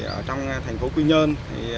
ở trong thành phố quy nhơn